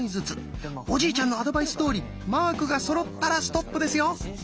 おじいちゃんのアドバイスどおりマークがそろったらストップですよ！